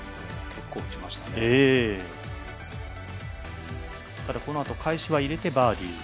そしてこのあと、開始は入れて、バーディー。